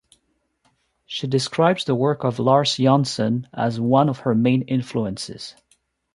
She describes the work of Lars Jonsson as one of her main influences.